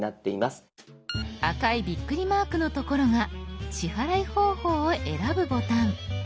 赤いビックリマークのところが支払い方法を選ぶボタン。